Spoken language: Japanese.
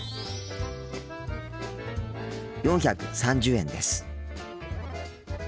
４３０円です。